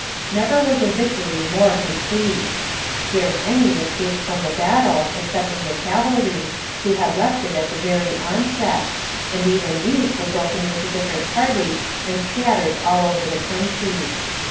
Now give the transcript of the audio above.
Never was a victory more complete. Scarce any escaped from the battle, excepting the cavalry, who had left it at the very onset, and even these were broken into different parties and scattered all over the country.